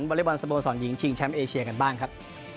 อเล็กบอลสโมสรหญิงชิงแชมป์เอเชียกันบ้างครับ